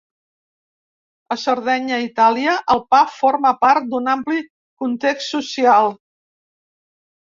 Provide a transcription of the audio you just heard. A Sardenya, Itàlia, el pa forma part d'un ampli context social.